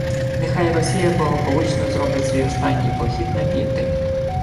«Нехай Росія благополучно зробить свій останній «похід» на південь